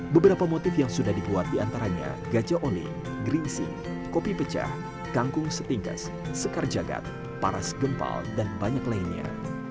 beberapa motif yang sudah dibuat diantaranya gajah oling geringsing kopi pecah kangkung setinggas sekar jagad paras gempal dan banyak lainnya